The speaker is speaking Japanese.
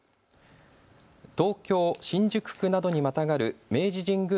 東京新宿区などにまたがる明治神宮